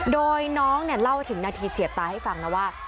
โดยน้องเนี่ยเล่าถึงนาทีเฉียดตายให้ฟังนะว่า